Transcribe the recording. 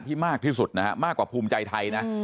มากที่สุดนะฮะมากกว่าภูมิใจไทยนะ